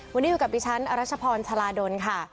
วันนี้อยู่กับดิฉันอรัชพรชาลาดลค่ะ